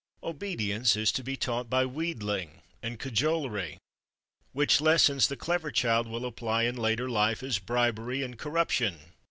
_" Obedience is to be taught by wheedling and cajolery, which lessons the clever child will apply in later life as bribery and corruption.